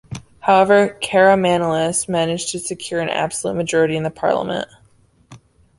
However, Karamanlis managed to secure an absolute majority in the Parliament.